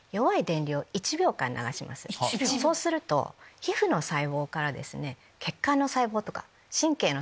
そうすると皮膚の細胞から。